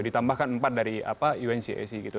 ditambahkan empat dari uncac gitu